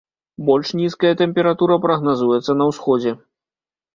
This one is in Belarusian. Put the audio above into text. Больш нізкая тэмпература прагназуецца на ўсходзе.